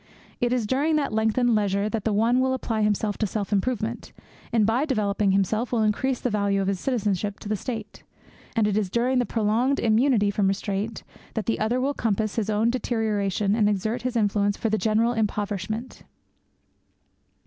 It is during that lengthened leisure that the one will apply himself to self improvement, and, by developing himself, will increase the value of his citizenship to the State; and it is during that prolonged immunity from restraint that the other will compass his own deterioration and exert his influence for the general impoverishment.